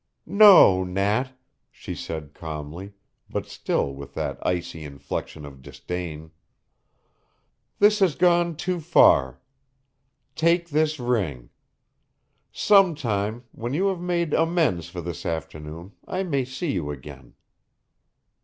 "No, Nat," she said calmly, but still with that icy inflection of disdain; "this has gone too far. Take this ring. Some time, when you have made amends for this afternoon, I may see you again."